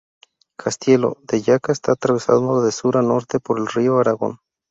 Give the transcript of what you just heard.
Castiello de Jaca está atravesado de sur a norte por el río Aragón.